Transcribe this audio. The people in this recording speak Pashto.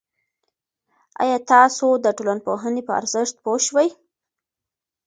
آیا تاسو د ټولنپوهنې په ارزښت پوه شوئ؟